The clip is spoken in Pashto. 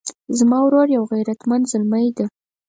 زما ورور یو غیرتمند زلمی ده